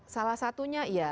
salah satunya iya